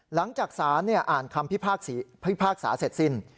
หลังจากสารอ่านคำพิพากษาเสร็จสิ้น